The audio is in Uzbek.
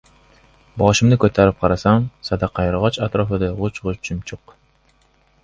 Boshimni ko‘tarib qarasam, sadaqayrag‘och atrofida g‘uj-g‘uj chumchuq.